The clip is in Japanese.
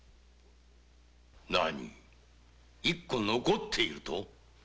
なに一個残っていると？